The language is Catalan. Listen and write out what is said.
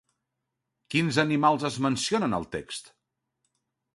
Quins animals es mencionen al text?